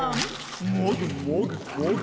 もぐもぐもぐ。